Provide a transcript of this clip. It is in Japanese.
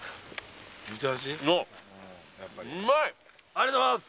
ありがとうございます！